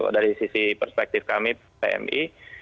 dari sisi perspektif kami pmi